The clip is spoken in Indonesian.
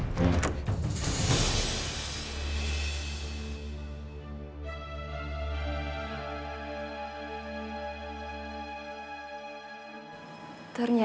aku gak bersih